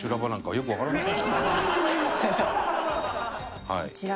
はい。